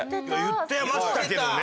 言ってましたけどね